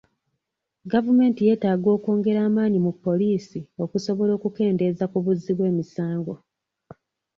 Gavumenti yeetaaga okwongera amaanyi mu poliisi okusobola okukendeeza ku buzzi bw'emisango.